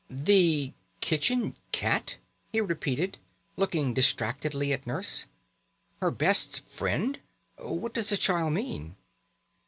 "The kitchen cat!" he repeated, looking distractedly at Nurse. "Her best friend! What does the child mean?"